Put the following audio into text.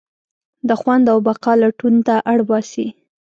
د خوند او بقا لټون ته اړباسي.